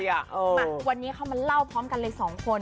มาวันนี้เขามาเล่าพร้อมกันเลยสองคน